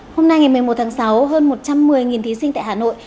hôm nay ngày một mươi một tháng sáu hơn một trăm một mươi thí sinh tại hà nội